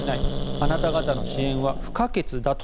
あなた方の支援は不可欠だと。